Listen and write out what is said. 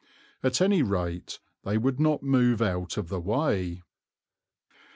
At any rate they would not move out of the way.